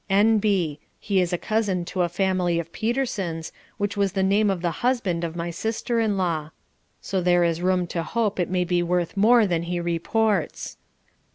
N. B. He is a cousin to a family of Petersons, which was the name of the husband of my sister in law; so there is room to hope it may be worth more than he reports.